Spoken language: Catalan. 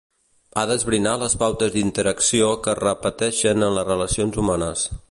Ha d'esbrinar les pautes d'interacció que es repeteixen en les relacions humanes.